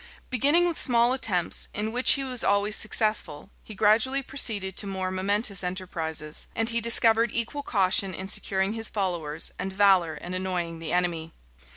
Beginning with small attempts, in which he was always successful, he gradually proceeded to more momentous enterprises; and he discovered equal caution in securing his followers, and valor in annoying the enemy.